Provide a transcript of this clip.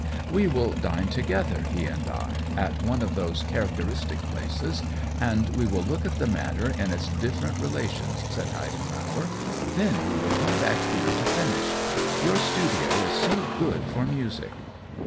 "We will dine together — he and I — at one of those characteristic places, and we will look at the matter in its different re lations," said Heidenmauer. "Then we will come back here to finish — your studio is so good for music."